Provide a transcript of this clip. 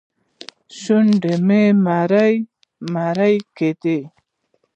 شونډې به مې مرۍ مرۍ کېدې.